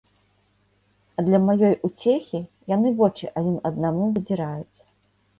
А для маёй уцехі яны вочы адзін аднаму выдзіраюць.